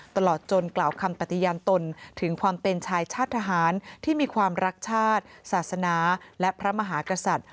ตลอดจนกล่าวคำปฏิญาณตนถึงความเป็นชายชาติทหารที่มีความรักชาติศาสนาและพระมหากษัตริย์